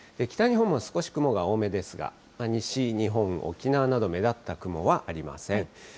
北日本も少し雲が多めですが、西日本、沖縄など、目立った雲はありません。